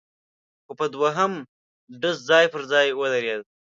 خو په دوهم ډز ځای پر ځای ودرېده،